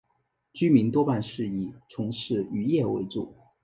居民多半是以从事渔业为主。